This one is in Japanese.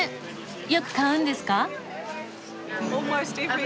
よく買うんですか？